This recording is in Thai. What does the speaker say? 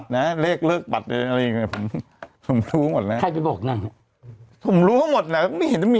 แล้วก็พาไปทุกคนพาคนจนดิทฯคนรู้จักพาไป